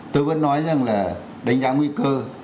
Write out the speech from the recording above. tôi vẫn nói rằng là đánh giá nguy cơ